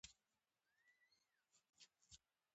واوره د افغانستان د سیاسي جغرافیې یوه برخه ده.